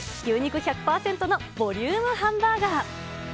牛肉１００％のボリュームハンバーガー。